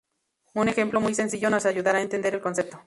Un ejemplo muy sencillo nos ayudará a entender el concepto.